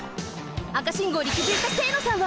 赤信号にきづいた清野さんは！？